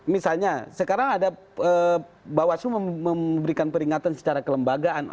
misalnya sekarang ada bawaslu memberikan peringatan secara kelembagaan